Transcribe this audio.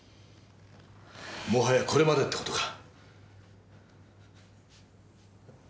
もはやこれまでって事か。